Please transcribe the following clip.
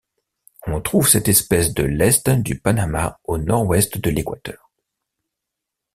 On trouve cette espèce de l'est du Panama au nord-ouest de l'Équateur.